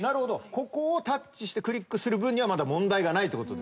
ここをタッチしてクリックする分にはまだ問題がないと。